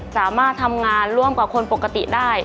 สามารถทำงานร่วมกับคนปกติได้